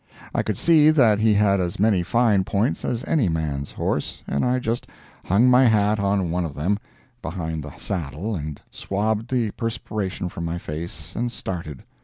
I could see that he had as many fine points as any man's horse, and I just hung my hat on one of them, behind the saddle, and swabbed the perspiration from my face and started.